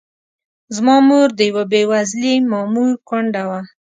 زما مور د یوه بې وزلي مامور کونډه وه.